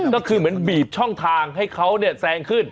ก็คือเหมือนบีบช่องทางให้เขาเนี่ยแซงขึ้น